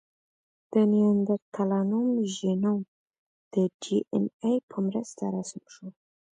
د نیاندرتالانو ژینوم د ډياېناې په مرسته رسم شو.